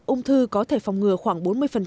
ung thư có thể phòng ngừa khoảng bốn mươi